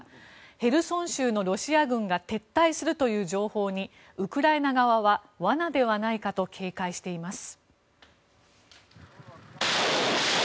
ヘルソン州のロシア軍が撤退するという情報にウクライナ側は罠ではないかと警戒しています。